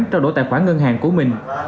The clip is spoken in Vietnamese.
trong đổ tài khoản ngân hàng của mình